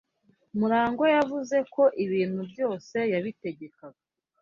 Murangwa yavuze ko ibintu byose yabitegekaga.